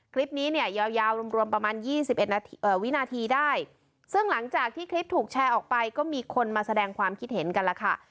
คลิปนี้เนี่ยยาวรวมรวมประมาณ๒๑วินาทีได้ซึ่งหลังจากที่คลิปถูกแชร์ออกไปก็มีคนมาแสดงความคิดเห็นกันแล้วค่ะ